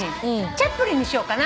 「チャップリン」にしようかな。